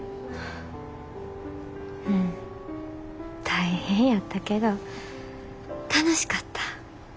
うん大変やったけど楽しかった。